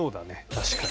確かに。